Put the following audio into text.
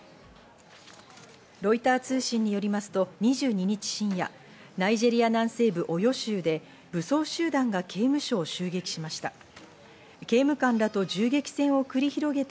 ロイター通信によりますと、２２日深夜、ナイジェリア南西部オヨ州で武装集団が刑務所を襲撃しました。